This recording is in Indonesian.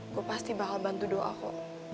aku pasti bakal bantu doaku